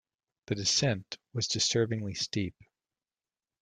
The descent was disturbingly steep.